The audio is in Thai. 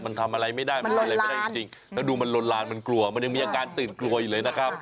มันทำอะไรไม่ได้มันอะไรไม่ได้จริงแล้วดูมันลนลานมันกลัวมันยังมีอาการตื่นกลัวอยู่เลยนะครับ